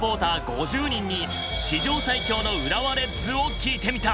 ５０人に史上最強の浦和レッズを聞いてみた。